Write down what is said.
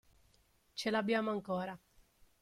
Ce l'abbiamo ancora.